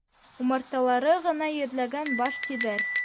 Умарталары ғына йөҙләгән баш тиҙәр.